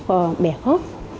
và bẻ khớp